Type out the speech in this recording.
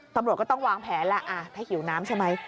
ตำรวจก็ต้องวางแผนแล้วถ้าหิวน้ำใช่ไหม